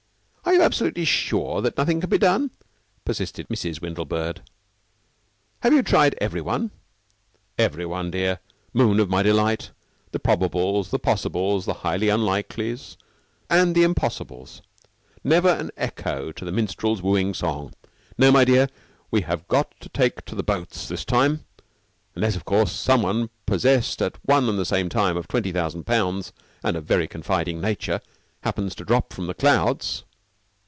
"Are you absolutely sure that nothing can be done?" persisted Mrs. Windlebird. "Have you tried every one?" "Every one, dear moon of my delight the probables, the possibles, the highly unlikelies, and the impossibles. Never an echo to the minstrel's wooing song. No, my dear, we have got to take to the boats this time. Unless, of course, some one possessed at one and the same time of twenty thousand pounds and a very confiding nature happens to drop from the clouds."